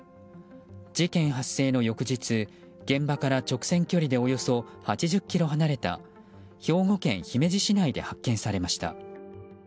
事件発生の翌日現場から直線距離でおよそ８０ｋｍ離れた兵庫県姫路市内で発見されました。